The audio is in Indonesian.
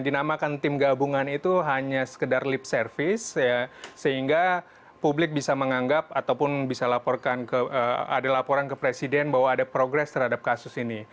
dinamakan tim gabungan itu hanya sekedar lip service sehingga publik bisa menganggap ataupun bisa laporkan ada laporan ke presiden bahwa ada progres terhadap kasus ini